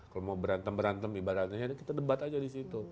kalau mau berantem berantem ibaratnya kita debat aja di situ